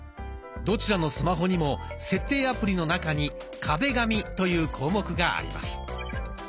どちらのスマホにも設定アプリの中に「壁紙」という項目があります。